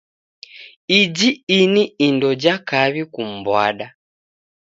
Iji ini indo ja kaw'I kumbwada.